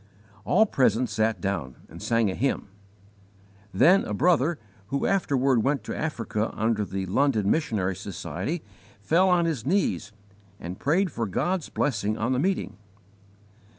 All present sat down and sang a hymn. Then a brother who afterward went to Africa under the London Missionary Society fell on his knees and prayed for God's blessing on the meeting.